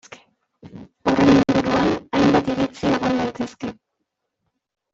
Horren inguruan hainbat iritzi egon daitezke.